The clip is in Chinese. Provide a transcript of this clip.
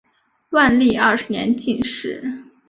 万历二十年进士。